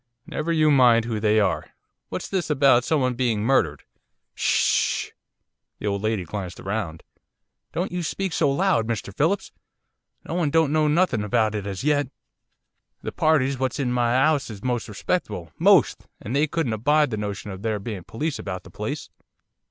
'Never you mind who they are. What's this about someone being murdered.' 'Ssh!' The old lady glanced round. 'Don't you speak so loud, Mr Phillips. No one don't know nothing about it as yet. The parties what's in my 'ouse is most respectable, most! and they couldn't abide the notion of there being police about the place.